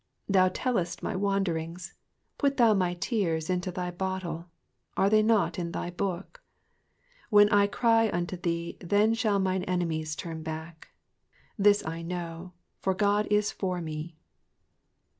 ' 8 Thou tellest my wanderings : put thou my tears into thy bottle : are they not in thy book ? 9 When I cry unto thee, then shall mine enemies turn back : this I know ; for God is for me.